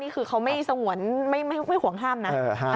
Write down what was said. นี่คือเขาไม่สงวนไม่ห่วงห้ามนะ